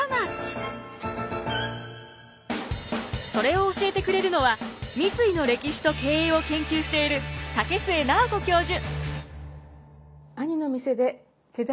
それを教えてくれるのは三井の歴史と経営を研究している武居奈緒子教授。